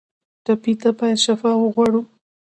ټپي ته باید شفا وغواړو.